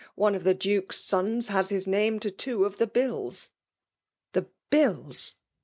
One of the Duke^s eons has his name to two of the bilk.''' '' The bills